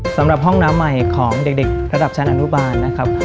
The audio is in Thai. สำหรับห้องน้ำใหม่ของเด็กระดับชั้นอนุบาลนะครับ